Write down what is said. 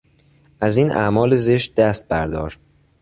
از این اعمال زشت دست بردار!